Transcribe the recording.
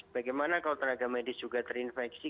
bagaimana kalau tenaga medis juga terinfeksi